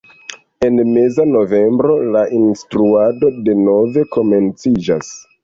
En meza novembro la instruado denove komenciĝas.